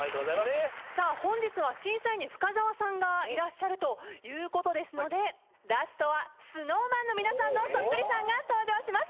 さあ本日は審査員に深澤さんがいらっしゃるということですのでラストはＳｎｏｗＭａｎの皆さんのそっくりさんが登場します。